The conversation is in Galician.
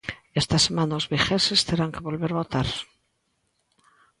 Esta semana os vigueses terán que volver votar.